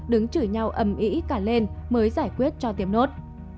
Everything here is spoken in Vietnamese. đứng chửi nhau ấm ý cả lên mới giải quyết cho tiêm nốt